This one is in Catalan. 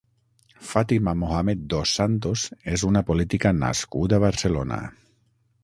Fátima Mohamed Dos Santos és una política nascuda a Barcelona.